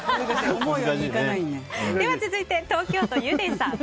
続いて東京都の方。